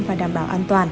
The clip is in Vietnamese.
và đảm bảo an toàn